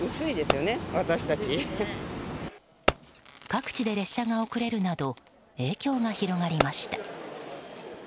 各地で列車が遅れるなど影響が広がりました。